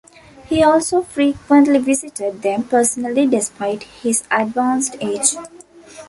He also frequently visited them personally despite his advanced age.